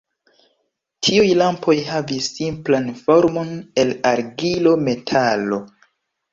Tiuj lampoj havis simplan formon el argilo, metalo.